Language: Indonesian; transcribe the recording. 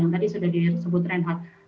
yang tadi sudah disebut reinhardt